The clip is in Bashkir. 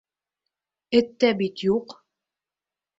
Эттә бит юҡ.